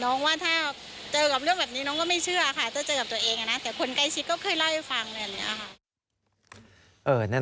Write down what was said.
ต้องเจอกับตัวเองนะแต่คนใกล้ชิดก็เคยเล่าให้ฟัง